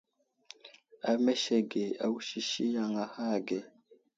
Amesege awusisi yaŋ ahe ge.